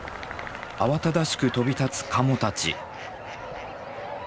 慌ただしく飛び立つカモたち。